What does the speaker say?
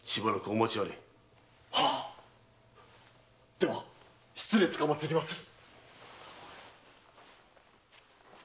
では失礼つかまつりまする。